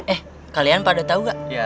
eh kalian pada tau gak